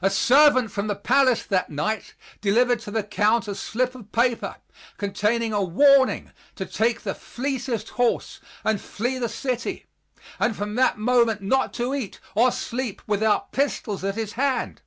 A servant from the palace that night delivered to the Count a slip of paper, containing a warning to take the fleetest horse and flee the city, and from that moment not to eat or sleep without pistols at his hand.